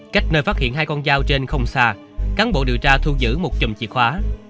cách nơi phát hiện hai con dao trên không xa cán bộ điều tra thu giữ một chùm chìa khóa